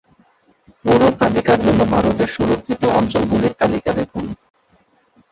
পুরো তালিকার জন্য, ভারতের সুরক্ষিত অঞ্চলগুলির তালিকা দেখুন।